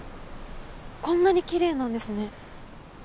こんなにきれいなんですね。